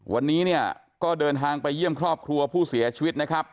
วันนี้เนี่ยก็เดินทางไปเยี่ยมครอบครัวผู้เสียชีวิตนะครับ